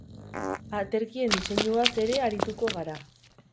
Aterkien diseinuaz ere arituko gara.